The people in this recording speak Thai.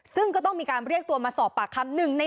ซึ่งก็ต้องมีการเรียกตัวมาสอบปากคำ